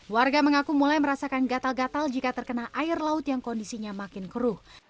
warga mengaku mulai merasakan gatal gatal jika terkena air laut yang kondisinya makin keruh